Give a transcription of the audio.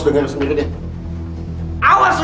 pusing gua dengerinnya bos